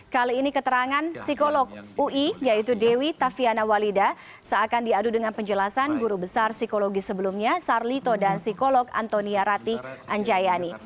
kali ini keterangan psikolog ui yaitu dewi tafiana walida seakan diadu dengan penjelasan guru besar psikologi sebelumnya sarlito dan psikolog antonia ratih anjayani